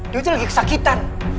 dia itu lagi kesakitan